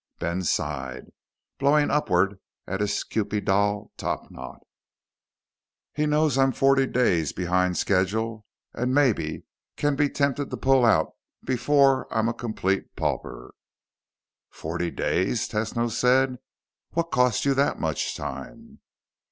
Ben sighed, blowing upward at his kewpie doll topknot. "He knows I'm forty days behind schedule and maybe can be tempted to pull out before I'm a complete pauper." "Forty days!" Tesno said. "What cost you that much time?"